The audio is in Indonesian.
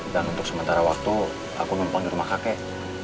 dan untuk sementara waktu aku numpang di rumah kakek